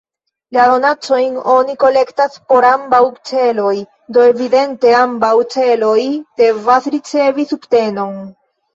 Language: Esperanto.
La donacojn oni kolektas por ambaŭ celoj, do evidente ambaŭ celoj devas ricevi subtenon.